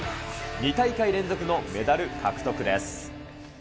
２大会連続のメダル獲得です。